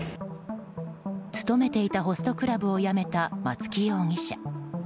勤めていたホストクラブを辞めた松木容疑者。